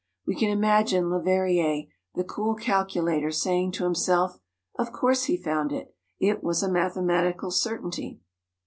We can imagine Leverrier, the cool calculator, saying to himself: "Of course he found it. It was a mathematical certainty."